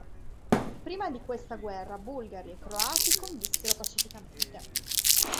Prima di questa guerra bulgari e croati convissero pacificamente.